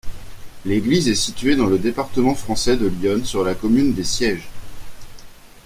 L'église est située dans le département français de l'Yonne, sur la commune des Sièges.